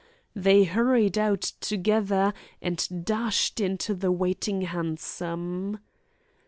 They hurried out together, and dashed into the waiting hansom.